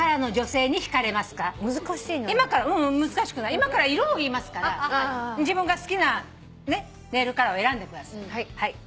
今から色を言いますから自分が好きなネイルカラーを選んでください。